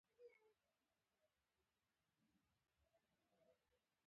خوشال خان خټک او د هغه کورنۍ پښتو ژبې ته ډېر خدمتونه کړي دی.